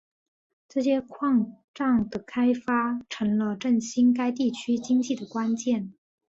这些矿藏的开发成了振兴该地区经济的关键。